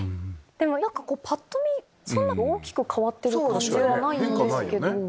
ぱっと見そんな大きく変わってる感じはないんですけど。